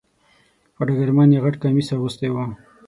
په ډګرمن یې غټ کمیس اغوستی و .